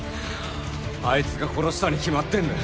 あいつが殺したに決まってんだよ。